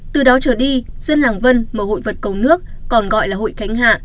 từ đó trở đi dân làng vân mở hội vật cầu nước còn gọi là hội thánh hạ